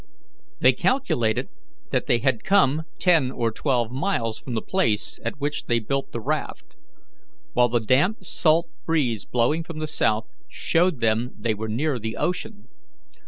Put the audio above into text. They calculated that they had come ten or twelve miles from the place at which they built the raft, while the damp salt breeze blowing from the south showed them they were near the ocean.